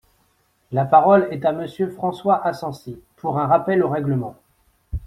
La parole est à Monsieur François Asensi, pour un rappel au règlement.